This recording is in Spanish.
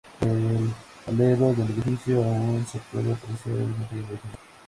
En todo el alero del edificio aún se puede apreciar el material original.